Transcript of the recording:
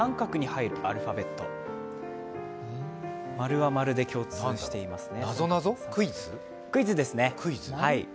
○は○で共通していますね。